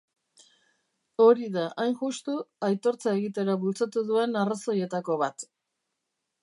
Hori da, hain justu, aitortza egitera bultzatu duen arrazoietako bat.